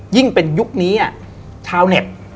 ยิ่งเป็นยุคนี้ชาวเน็ต